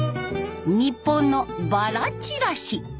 日本のバラちらし。